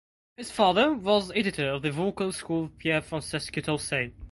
His father was editor of the vocal school of Pier Francesco Tosi.